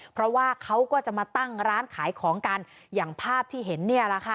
เพราะว่าเขาก็จะมาตั้งร้านขายของกันอย่างภาพที่เห็นเนี่ยแหละค่ะ